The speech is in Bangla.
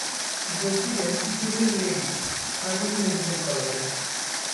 যোগ দিলেন দিল্লির লেডি হার্ডিঞ্জ মেডিক্যাল কলেজে।